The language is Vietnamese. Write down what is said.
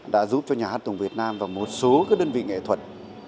đã giúp cho nhà hát tùng việt nam và một số đơn vị nghệ thuật